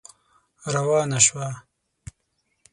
روانه شوه.